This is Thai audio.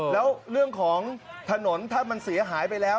แล้วเรื่องของถนนถ้ามันเสียหายไปแล้ว